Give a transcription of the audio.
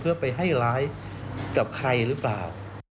เพื่อไปให้ร้ายกับใครหรือเปล่า